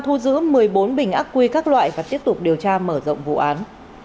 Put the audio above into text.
thu giữ một mươi bốn bình ác quy các loại và tiếp tục điều tra mở rộng vụ án